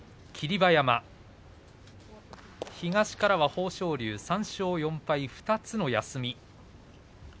馬山東からは豊昇龍、３勝４敗２つの休み。